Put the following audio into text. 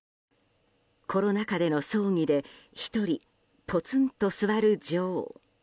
コロナ禍での葬儀で１人、ポツンと座る女王。